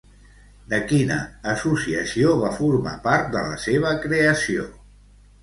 De quina associació va formar part de la seva creació?